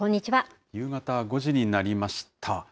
夕方５時になりました。